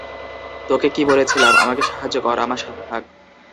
তোকে কি বলেছিলাম, আমাকে সাহায্য কর, আমার সাথে থাক?